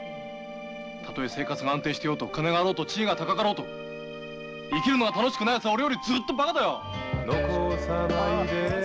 たとえ生活が安定していようと金があろうと地位が高かろうと生きるのが楽しくないやつは俺よりずっとばかだよ！